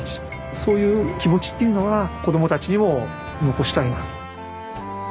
そういう気持ちっていうのは子供たちにも残したいな。